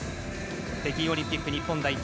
北京オリンピック日本代表